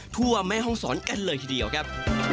ทั่วแม่ห้องศรกันเลยทีเดียวครับ